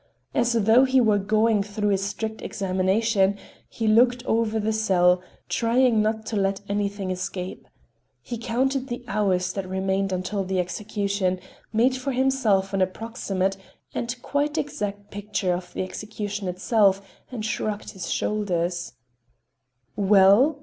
As though he were going through a strict examination, he looked over the cell, trying not to let anything escape. He counted the hours that remained until the execution, made for himself an approximate and quite exact picture of the execution itself and shrugged his shoulders. "Well?"